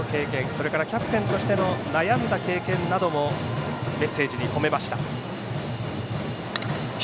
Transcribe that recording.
それから、キャプテンとしての悩んだ経験などもメッセージに込めました。